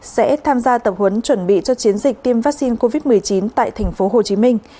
sẽ tham gia tập huấn chuẩn bị cho chiến dịch tiêm vaccine covid một mươi chín tại tp hcm